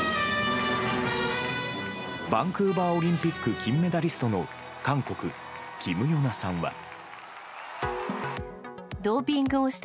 バンクーバーオリンピック金メダリストの韓国、キム・ヨナさんは。